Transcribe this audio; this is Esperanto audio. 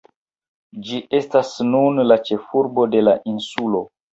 Ĝi estas nun la ĉefurbo de la insulo.